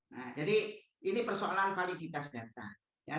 nah jadi ini persoalan validitas data